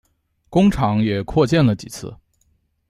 工厂也扩建了几次。